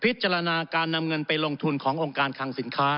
พิจารณาการนำเงินไปลงทุนขององค์การคังสินค้า